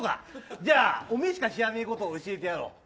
じゃあ、おめえしか知らねえことを教えてやろう。